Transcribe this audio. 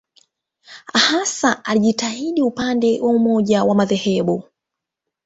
Hasa alijitahidi upande wa umoja wa madhehebu.